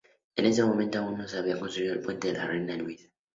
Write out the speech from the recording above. En este momento, aún no se había construido el Puente de la Reina Luisa.